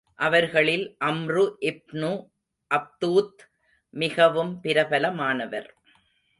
அவர்களில் Amr ibn Abdud மிகவும் பிரபலமானவர்.